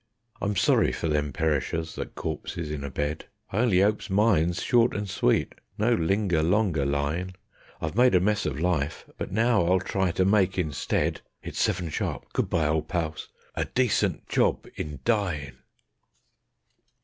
I'm sorry for them perishers that corpses in a bed; I only 'opes mine's short and sweet, no linger longer lyin'; I've made a mess of life, but now I'll try to make instead ... It's seven sharp. Good bye, old pals! ... _A DECENT JOB IN DYIN'.